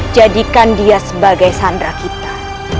jadikan dia sebagai sandra kita